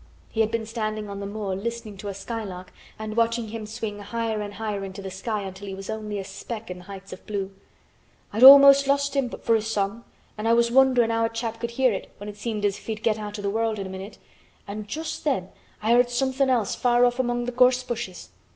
He had been standing on the moor listening to a skylark and watching him swing higher and higher into the sky until he was only a speck in the heights of blue. "I'd almost lost him but for his song an' I was wonderin' how a chap could hear it when it seemed as if he'd get out o' th' world in a minute—an' just then I heard somethin' else far off among th' gorse bushes.